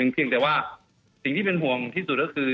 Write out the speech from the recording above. เพียงแต่ว่าสิ่งที่เป็นห่วงที่สุดก็คือ